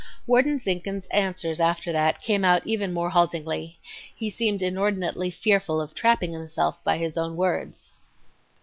Warden Zinkhan's answers after that came even more haltingly. He seemed inordinately fearful of trapping himself by his own words.